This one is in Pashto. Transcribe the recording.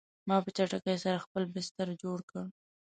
ما په چټکۍ سره خپل بستر جوړ کړ